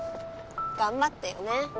頑張ってよね